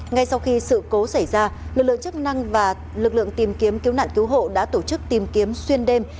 ngay sau khi sự cố xảy ra lực lượng chức năng và lực lượng tìm kiếm cứu nạn cứu hộ đã tổ chức tìm kiếm xuyên đêm